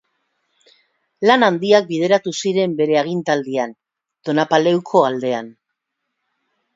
Lan handiak bideratu ziren bere agintaldian, Donapaleuko aldean.